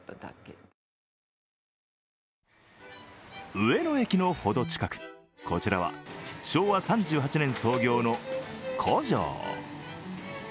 上野駅の程近く、こちらは昭和３８年創業の古城。